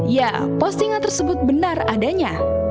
ya postingan tersebut benar adanya